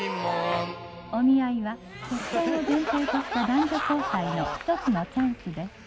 お見合いは結婚を前提とした男女交際の１つのチャンスです。